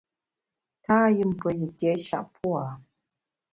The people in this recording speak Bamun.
Tâyùmpelitiét shap pua’.